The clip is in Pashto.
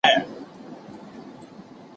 سفر بې ستړیا نه وي.